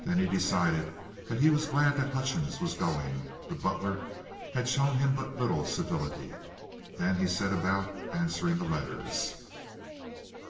Then he decided that he was glad that Hutchins was going; the butler had shown him but little civility. Then he set about answering the letters.